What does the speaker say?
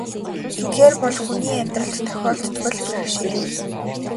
Эдгээр бол хүний амьдралд тохиолддог л бэрхшээлүүд.